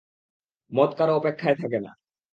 মদ কারও অপেক্ষায় থাকে না।